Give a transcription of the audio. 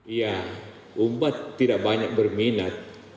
ya umpat tidak banyak berminat